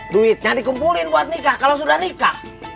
duitnya dikumpulin buat nikah kalau sudah nikah